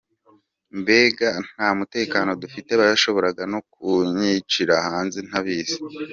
Mbega nta mutekano dufite bashoboraga no kunyicira hanze ntabizi.